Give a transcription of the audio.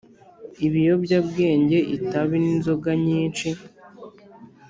Ibiyobyabwenge itabi n inzoga nyinshi